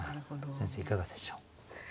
先生いかがでしょう？